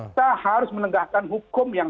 kita harus menegakkan hukum yang